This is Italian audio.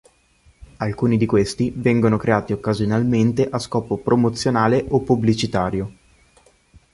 Alcuni di questi vengono creati occasionalmente a scopo promozionale o pubblicitario.